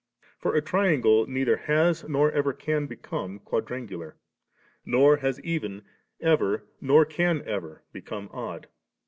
For a triangle neither has nor ever can become quadrangular ; nor has even ever, nor can evo , become odd.